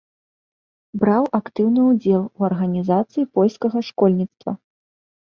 Браў актыўны ўдзел у арганізацыі польскага школьніцтва.